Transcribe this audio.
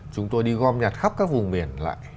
chúng tôi đi gom nhặt khắp các vùng miền lại